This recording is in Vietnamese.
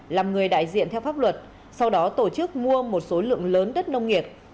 làm người đại diện theo pháp luật sau đó tổ chức mua một số lượng lớn đất nông nghiệp